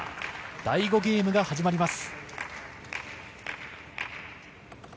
第５ゲームが始まります。